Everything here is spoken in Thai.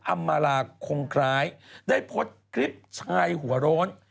อัมมาราคงได้โพสต์คลิปชายหัวโรน